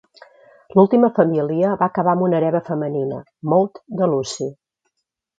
L'última família va acabar amb una hereva femenina, Maud de Lucy.